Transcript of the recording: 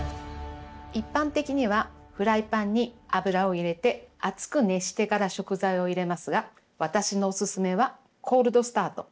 一般的にはフライパンに油を入れて熱く熱してから食材を入れますが私のおすすめはコールドスタート。